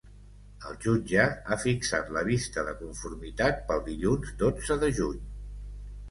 El jutge ha fixat la vista de conformitat pel dilluns dotze de juny.